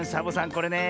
これねえ